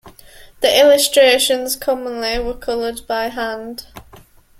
The illustrations commonly were colored by hand.